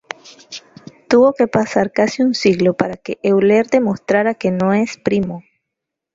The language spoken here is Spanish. Tuvo que pasar casi un siglo para que Euler demostrara que no es primo.